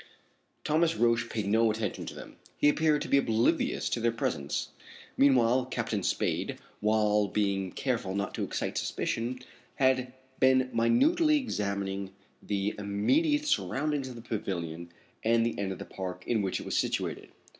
Thomas Roch paid no attention to them. He appeared to be oblivious of their presence. Meanwhile, Captain Spade, while being careful not to excite suspicion, had been minutely examining the immediate surroundings of the pavilion and the end of the park in which it was situated.